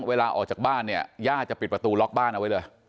เวลาออกจากบ้านเนี่ยย่าจะปิดประตูล็อกบ้านเอาไว้เลย